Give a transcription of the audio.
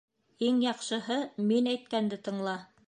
Иң яҡшыһы, мин әйткәнде тыңла.